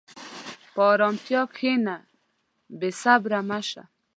په ارامتیا کښېنه، بېصبره مه شه.